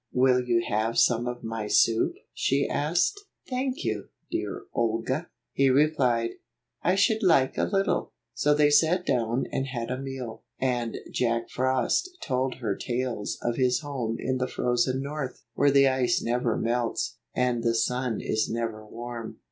"Will you have some of my soup?" she asked. 30 3 1 "Thank you, dear Olga," he replied, " I should like a little." So they sat down and had a meal, and Jack Frost told her tales of his home in the frozen North, where the ice never melts, and the sun is never warm.